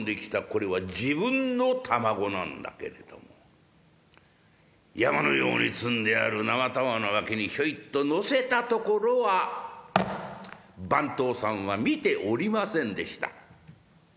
これは自分の玉子なんだけれども山のように積んである生玉子の脇にひょいっと載せたところは番頭さんは見ておりませんでした。